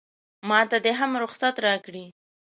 ماته دې هم رخصت راکړي.